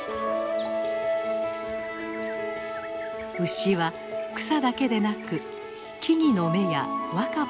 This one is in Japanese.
牛は草だけでなく木々の芽や若葉も食べます。